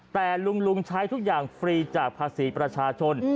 แต่ลุงใช้ทุกอย่างฟรีจากภาษีประชาชน